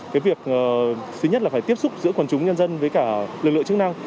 cái việc thứ nhất là phải tiếp xúc giữa quần chúng nhân dân với cả lực lượng chức năng